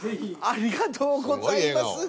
ありがとうございます。